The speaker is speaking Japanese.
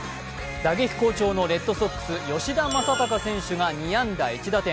打撃好調のレッドソックス吉田正尚が２安打１打点。